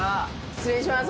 失礼します。